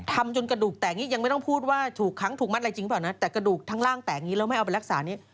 ทำจนกระดูกแตกอย่างนี้ยังไม่ต้องพูดว่าถูกค้างถูกมัดอะไรจริงหรือเปล่านะแต่กระดูกทั้งล่างแตกอย่างนี้แล้วไม่เอาไปรักษานี้